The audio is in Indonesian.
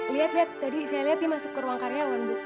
lihat lihat tadi saya lihat dia masuk ke ruang karyawan bu